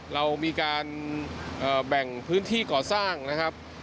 เรามีการแบ่งพื้นที่ก่อสร้างนะครับ